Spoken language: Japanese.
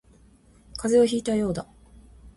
風邪をひいたようだ